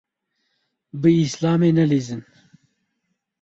Bi Îslamê nelîzin.